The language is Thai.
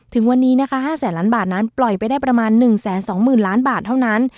ถึงวันนี้นะคะ๕แสนล้านบาทนั้นปล่อยไปได้ประมาณ๑๒๐๐๐ล้านบาทเท่านั้น